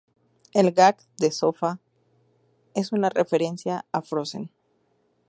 El gag de sofá es una referencia a "Frozen".